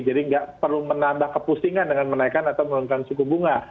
jadi nggak perlu menambah kepusingan dengan menaikan atau menurunkan suku bunga